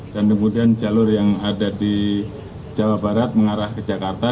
dan kemudian jalur yang ada di jawa barat mengarah ke jakarta